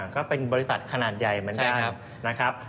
ก็เป็นบริษัทขนาดใหญ่เหมือนกันนะครับ